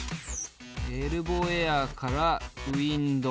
エルボーエアからウインド。